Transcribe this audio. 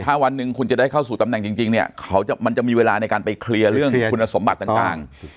ถ้าวันหนึ่งคุณจะได้เข้าสู่ตำแหน่งจริงเนี่ยมันจะมีเวลาในการไปเคลียร์เรื่องคุณสมบัติต่าง